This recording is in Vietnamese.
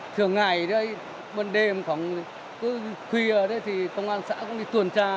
thường ngày bận đêm cứ khuya thì công an xã cũng đi tuần tra